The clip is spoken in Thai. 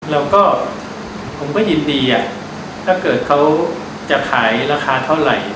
แล้วก็ผมก็ยินดีถ้าเกิดเขาจะขายราคาเท่าไหร่